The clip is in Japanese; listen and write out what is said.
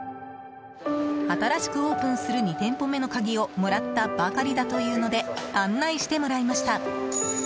新しくオープンする２店舗目の鍵をもらったばかりだというので案内してもらいました。